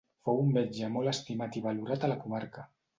Fou un metge molt estimat i valorat a la comarca.